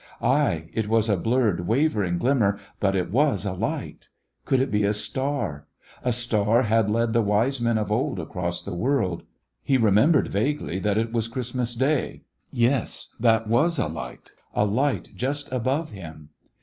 Aye, it was a blurred, waver ing glimmer, but it was a light. Could it be a star? A star had led the Wise Men of old across the world. He remembered, vaguely, that it was Christmas Day. Yes, that was a light — a light just above him.